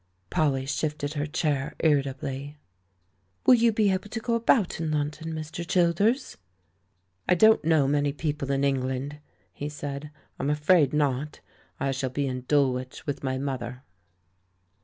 Polly shifted her chair irritably. "Will you be able to go about in London, Mr. Childers?" "I don't know many people in England," he said; "I'm afraid not. I shall be in Dulwich, with my mother."